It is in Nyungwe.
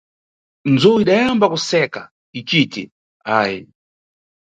Nzowu idayamba kuseka icit, ah!